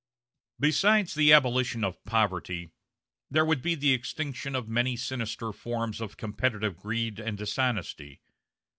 Besides the abolition of poverty, there would be the extinction of many sinister forms of competitive greed and dishonesty.